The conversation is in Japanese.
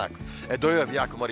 土曜日は曇り